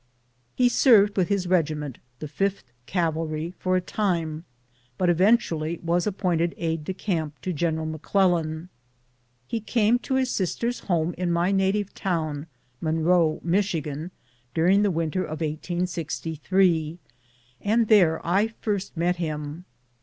He served with his regiment — the 5th Cavalry — for a time, but eventually was appointed aide de camp to General McClellan. He came to his sister's home in my native town, Monroe, Michigan, during the winter of 1863, and there I first met him.